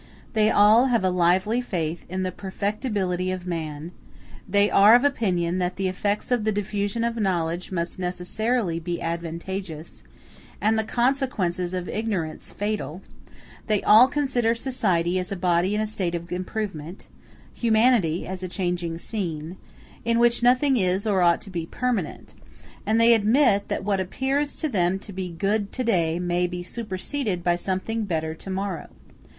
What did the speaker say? They have all a lively faith in the perfectibility of man; they are of opinion that the effects of the diffusion of knowledge must necessarily be advantageous, and the consequences of ignorance fatal; they all consider society as a body in a state of improvement, humanity as a changing scene, in which nothing is, or ought to be, permanent; and they admit that what appears to them to be good to day may be superseded by something better to morrow.